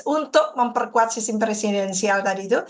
untuk memperkuat sistem presidensial tadi itu